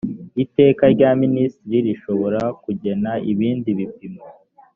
iteka rya minisitiri rishobora kugena ibindi bipimo